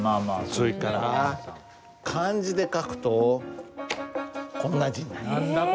それから漢字で書くとこんな字になります。